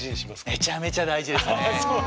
めちゃめちゃ大事ですね。